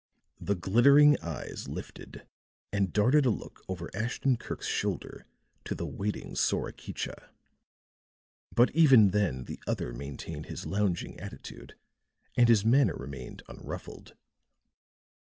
The glittering eyes lifted and darted a look over Ashton Kirk's shoulder to the waiting Sorakicha. But even then the other maintained his lounging attitude and his manner remained unruffled.